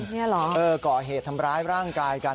นี่เหรอเออก่อเหตุทำร้ายร่างกายกัน